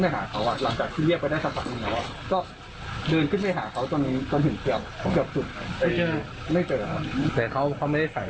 ไม่ใช่เหรอ